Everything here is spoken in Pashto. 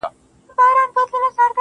څلوېښتم کال دی.